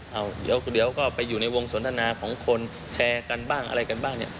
เอาเดี๋ยวก็ไปอยู่ในวงสนทนาของคนแชร์กันบ้างอะไรกันบ้างเนี่ย